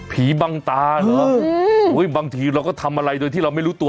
บังตาเหรอบางทีเราก็ทำอะไรโดยที่เราไม่รู้ตัว